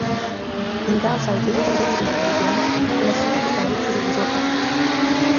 Ingawa sauti zote mbili zinakaribiana kuna sifa tofauti zilzizoko